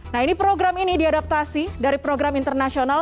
nah ini program ini diadaptasi dari program internasional